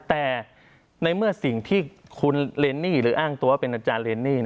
แต่ในเมื่อสิ่งที่คุณเรนนี่หรืออ้างตัวเป็นอาจารย์เรนนี่